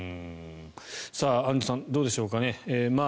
アンジュさんどうでしょうかね。